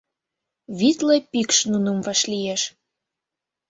Витле пикш нуным вашлиеш.